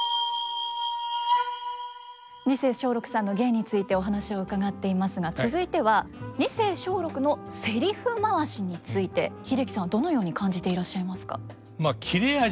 二世松緑さんの芸についてお話を伺っていますが続いては二世松緑のせりふ回しについて英樹さんはどのように感じていらっしゃいますか？